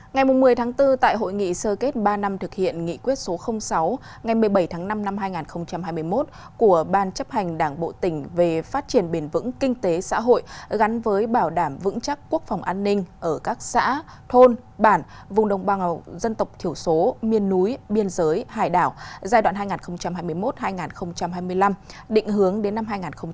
ngày một mươi tháng bốn tại hội nghị sơ kết ba năm thực hiện nghị quyết số sáu ngày một mươi bảy tháng năm năm hai nghìn hai mươi một của ban chấp hành đảng bộ tỉnh về phát triển bền vững kinh tế xã hội gắn với bảo đảm vững chắc quốc phòng an ninh ở các xã thôn bản vùng đồng bào dân tộc thiểu số miên núi biên giới hải đảo giai đoạn hai nghìn hai mươi một hai nghìn hai mươi năm định hướng đến năm hai nghìn ba mươi